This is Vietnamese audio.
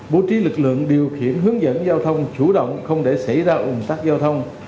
bố trí lực lượng điều khiển hướng dẫn giao thông chủ động không để xảy ra ủng tắc giao thông